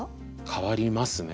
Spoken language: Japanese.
変わりますね。